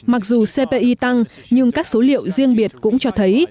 mặc dù cpi tăng nhưng các số liệu riêng biệt cũng cho thấy